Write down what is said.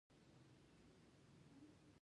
که زه ازاد وای نو تا به دا جرئت نه وای کړی.